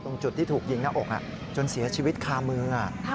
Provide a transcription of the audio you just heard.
ตรงจุดที่ถูกยิงหน้าอกจนเสียชีวิตคามือ